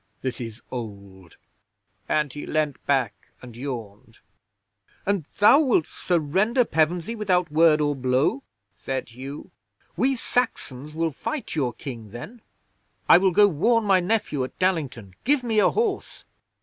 This is old," and he leaned back and yawned. '"And thou wilt surrender Pevensey without word or blow?" said Hugh. "We Saxons will fight your King then. I will go warn my nephew at Dallington. Give me a horse!"